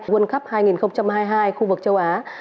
world cup hai nghìn hai mươi hai khu vực châu á